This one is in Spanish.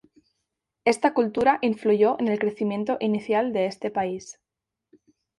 Esta cultura influyó en el crecimiento inicial de este país.